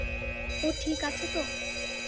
ও ঠিক আছে তো?